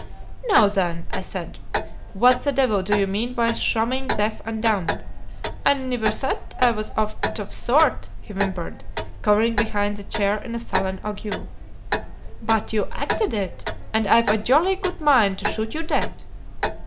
"Now, then," I said, "what the devil do you mean by shamming deaf and dumb?" "I niver said I was owt o' t' sort," he whimpered, cowering behind the chair in a sullen ague. "But you acted it, and I've a jolly good mind to shoot you dead!"